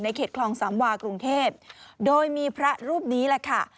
เขตคลองสามวากรุงเทพโดยมีพระรูปนี้แหละค่ะ